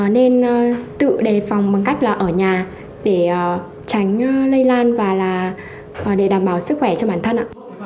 nên tự đề phòng bằng cách là ở nhà để tránh lây lan và để đảm bảo sức khỏe cho bản thân ạ